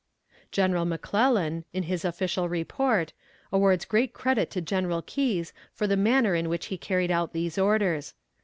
General McClellan, in his official report, awards great credit to General Keyes for the manner in which he carried out these orders.